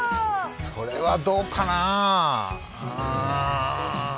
それはどうかな。